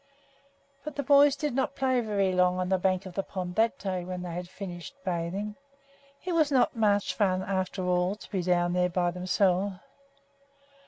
But the boys did not play very long on the bank of the pond that day when they had finished bathing. It was not much fun, after all, to be down there by themselves.